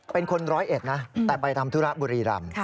เป็นคน๑๐๑นะแต่ไปทำธุระบุรีรำ